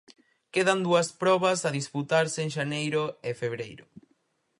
Quedan dúas probas a disputarse en xaneiro e febreiro.